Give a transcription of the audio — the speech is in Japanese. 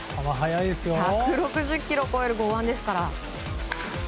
１６０キロを超える剛腕ですから。